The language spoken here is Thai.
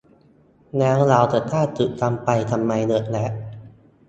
แล้วเราจะสร้างตึกกันไปทำไมเยอะแยะ